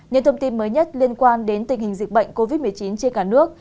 những thông tin mới nhất liên quan đến tình hình dịch bệnh covid một mươi chín trên cả nước